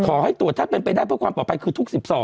ขอให้ตรวจถ้าเป็นไปได้เพื่อความปลอดภัยคือทุก๑๒